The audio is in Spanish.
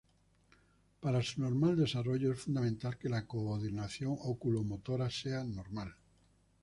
Para su normal desarrollo es fundamental que la coordinación óculo-motora sea normal.